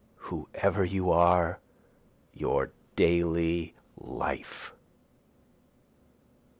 whoever you are, your daily life!